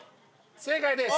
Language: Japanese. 正解です。